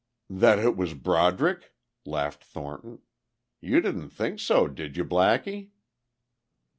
"That it was Broderick?" laughed Thornton. "You didn't think so, did you, Blackie?"